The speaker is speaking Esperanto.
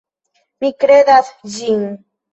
Mi kredas ĝin.